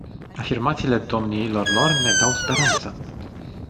Afirmațiile domniilor lor ne dau speranță.